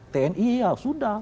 tni ya sudah